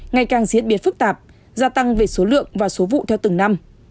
ngày càng diễn biến phức tạp gia tăng về số lượng và số vụ theo từng năm